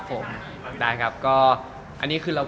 ก็ไม่ขนาดนั้นหรอกนะครับ